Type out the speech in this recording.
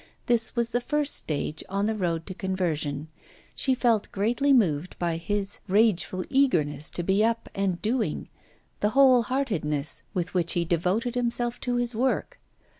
This was the first stage on the road to conversion; she felt greatly moved by his rageful eagerness to be up and doing, the whole heartedness with which he devoted himself to his work.